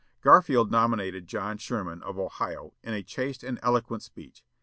Garfield nominated John Sherman, of Ohio, in a chaste and eloquent speech.